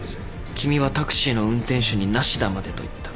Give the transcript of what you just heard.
君はタクシーの運転手に「ナシダまで」と言った。